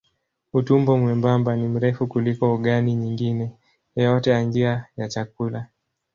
Utumbo mwembamba ni mrefu kuliko ogani nyingine yoyote ya njia ya chakula.